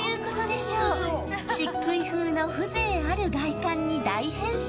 しっくいふうの風情ある外観に大変身。